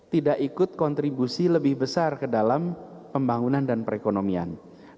tidak ikut kontribusi lebih besar ke dalam pembangunan dan perekonomian